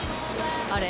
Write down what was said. あれ？